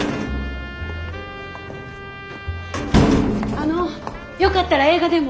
あのよかったら映画でも。